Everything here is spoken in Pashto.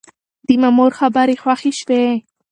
د مامور خبرې خوښې شوې.